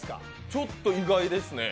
ちょっと意外ですね。